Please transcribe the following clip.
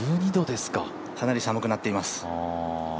かなり寒くなっています。